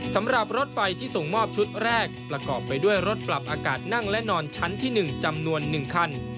สำหรับรถไฟที่ส่งมอบชุดแรกประกอบไปด้วยรถปรับอากาศนั่งและนอนชั้นที่๑จำนวน๑คัน